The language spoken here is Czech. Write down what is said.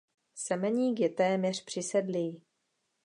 Semeník je téměř přisedlý.